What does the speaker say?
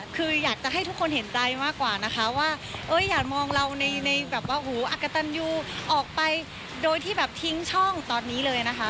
คืออยากจะให้ทุกคนเห็นใจมากกว่านะคะว่าอย่ามองเราในแบบว่าอักกะตันยูออกไปโดยที่แบบทิ้งช่องตอนนี้เลยนะคะ